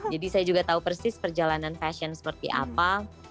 jadi saya juga tahu persis perjalanan fashion seperti apa